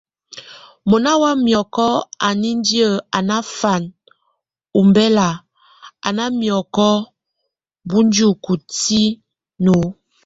Mona wa miɔkɔ a nindi a nafam ombɛlak, a ná miɔkɔ bunjuke tíŋʼ o.